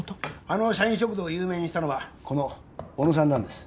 あの社員食堂を有名にしたのはこの小野さんなんです。